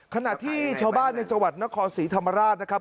ขณะที่ชาวบ้านในจังหวัดนครศรีธรรมราชนะครับ